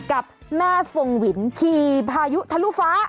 กับแม่ฟงหวินขี่พายุทะลุฟ้า